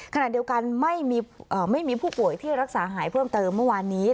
ขณะเดียวกันไม่มีผู้ป่วยที่รักษาหายเพิ่มเติมเมื่อวานนี้